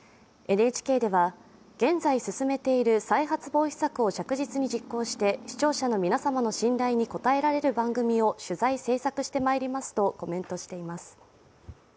ＮＨＫでは、現在進めている再発防止策を着実に実行して視聴者の皆様の信頼に応えられる番組を取材、制作してまいりますとコメントしています。